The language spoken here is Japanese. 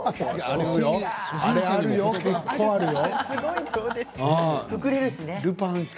あれは結構あるよ。